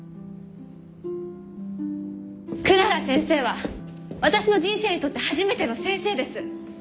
クララ先生は私の人生にとって初めての先生です。